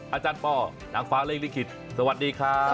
อาจารย์ปอนางฟ้าเลขลิขิตสวัสดีครับ